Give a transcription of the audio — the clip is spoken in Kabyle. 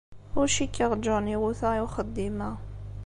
Ur cikkeɣ John iwuta i uxeddim-a.